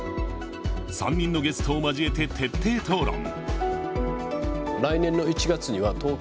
３人のゲストを交えて徹底討論。